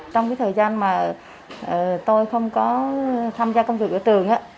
trong cái thời gian mà tôi không có tham gia công việc ở trường